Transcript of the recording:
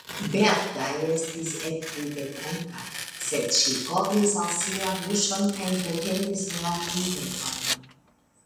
Berta estis ekridegonta, sed ŝi kovris al si la buŝon kaj retenis la ridegon.